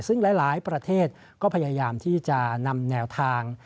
ซึ่งหลายประเทศก็พยายามที่จะนำแนวทาง